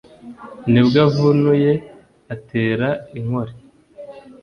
nibwo avunuye atera i Nkole